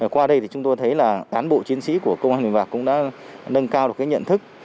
qua đây chúng tôi thấy là cán bộ chiến sĩ của công an mèo vạc cũng đã nâng cao được nhận thức